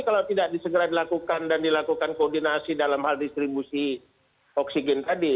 kalau tidak disegera dilakukan dan dilakukan koordinasi dalam hal distribusi oksigen tadi